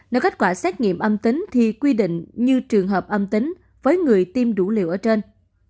nếu kết quả xét nghiệm âm tính thì quy định như trường hợp âm tính với người tiêm đủ liều ở trên